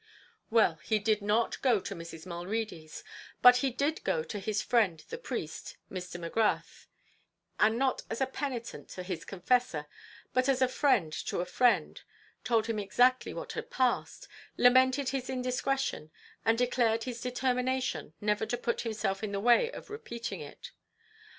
Well, he did not go to Mrs. Mulready's; but he did go to his friend and priest, Mr. Magrath; and not as a penitent to his confessor, but as a friend to a friend, told him exactly what had passed, lamented his indiscretion, and declared his determination never to put himself in the way of repeating it.